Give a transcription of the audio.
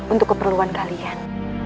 untuk keperluan kalian